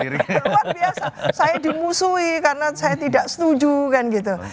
luar biasa saya dimusuhi karena saya tidak setuju kan gitu